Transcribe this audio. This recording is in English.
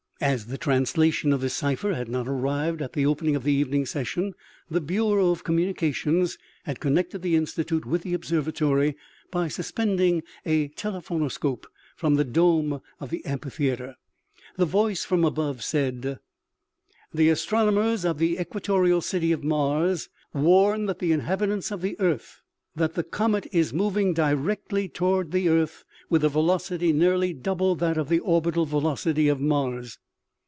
As the translation of this cipher had not arrived at the opening of the evening session, the bureau of com munications had connected the Institute with the observa tory by suspending a telephonoscope from the dome of* the amphitheater. The voice from above said :" The astronomers of the equatorial city of .Mars warn the inhabitants of the earth that the comet is moving directly toward the earth with a velocity nearly double that of the orbital velocity of Mars.